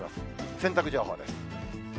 洗濯情報です。